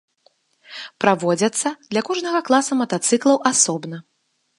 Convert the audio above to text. Праводзяцца для кожнага класа матацыклаў асобна.